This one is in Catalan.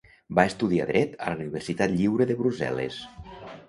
Va estudiar dret a la Universitat Lliure de Brussel·les.